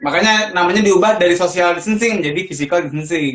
makanya namanya diubah dari social distancing menjadi physical distancing